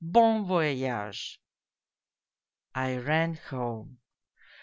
Bon voyage !'" I ran home.